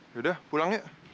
yaudah pulang yuk